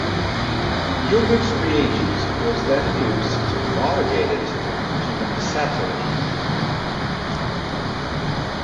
Gilbert's reagent was then used to homologate it to an acetylene.